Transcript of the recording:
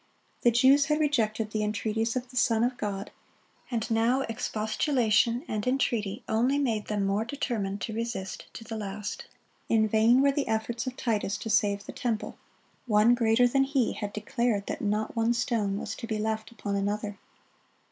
The Jews had rejected the entreaties of the Son of God, and now expostulation and entreaty only made them more determined to resist to the last. In vain were the efforts of Titus to save the temple; One greater than he had declared that not one stone was to be left upon another.